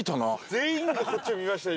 ◆全員がこっち見ましたよ、今。